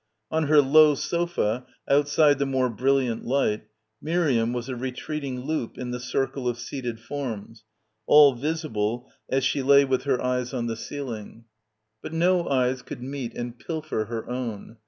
On her low sofa, outside the more brilliant light, Miriam was a retreating loop in the circle of seated forms, all visible as she lay with her eyes on the ceiling. But no eyes could meet and pilfer her own.